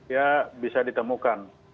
ya bisa ditemukan